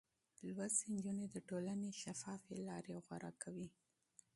لوستې نجونې د ټولنې شفافې لارې غوره کوي.